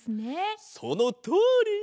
そのとおり！